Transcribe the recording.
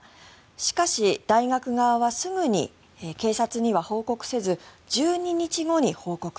しかし、大学側はすぐに警察には報告せず１２日後に報告。